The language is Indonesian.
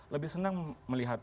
lebih senang melihat